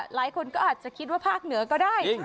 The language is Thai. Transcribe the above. หลายคนก็อาจจะคิดว่าภาคเหนือก็ได้